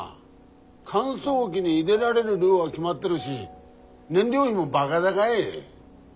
乾燥機に入れられる量は決まってるし燃料費もバガ高い。